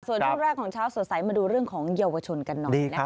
ส่วนที่แรกของเช้าสวยใสมาดูเรื่องของเยาวชนกันหน่อย